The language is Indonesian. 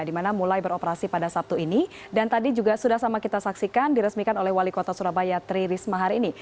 dimana mulai beroperasi pada sabtu ini dan tadi juga sudah sama kita saksikan diresmikan oleh wali kota surabaya tri risma hari ini